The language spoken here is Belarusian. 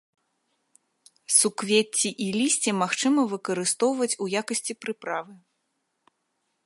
Суквецці і лісце магчыма выкарыстоўваць у якасці прыправы.